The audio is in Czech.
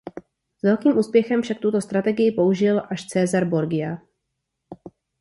S velkým úspěchem však tuto strategii použil až Cesare Borgia.